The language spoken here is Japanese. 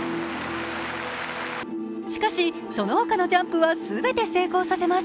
しかし、そのほかのジャンプは全て成功させます。